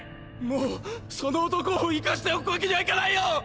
もうその男を生かしておくわけにはいかないよ！！